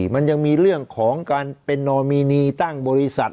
มันยังมีเรื่องของการเป็นนอมินีตั้งบริษัท